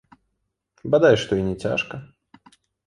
Бадай што, і не цяжка.